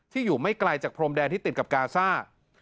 อยู่ไม่ไกลจากพรมแดนที่ติดกับกาซ่า